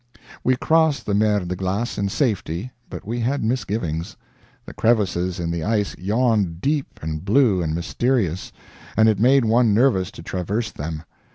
We crossed the Mer de Glace in safety, but we had misgivings. The crevices in the ice yawned deep and blue and mysterious, and it made one nervous to traverse them.